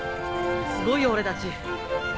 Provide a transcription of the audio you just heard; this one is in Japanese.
すごいよ俺たち！